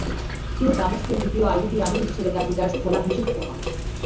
তিনি দামেস্কের দ্বিতীয় আইয়ুবী আমীর হিসেবে তার পিতার স্থলাভিষিক্ত হন।